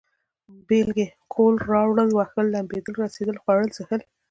بېلگې: کول، راوړل، وهل، لمبېدل، رسېدل، خوړل، څښل